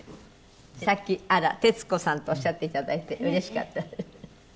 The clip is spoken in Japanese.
さっき「あら徹子さん」とおっしゃっていただいてうれしかったんですけど。